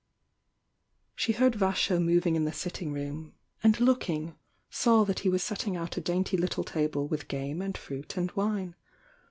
She heard Vasho moving in the sitting room, and looking, saw that he was setting out a dainty little table with game and fruit and wine.